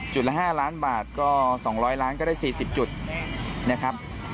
ละ๕ล้านบาทก็๒๐๐ล้านก็ได้๔๐จุดนะครับ